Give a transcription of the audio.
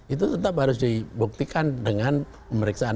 itu tetap harus dibuktikan dengan pemeriksaan